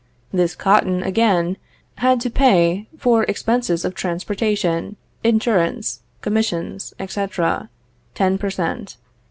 This cotton, again, had to pay for expenses of transportation, insurance, commissions, etc., ten per cent.